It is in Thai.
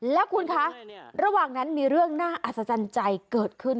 แล้วคุณคะระหว่างนั้นมีเรื่องน่าอัศจรรย์ใจเกิดขึ้น